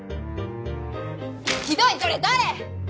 ひどいこれ誰！？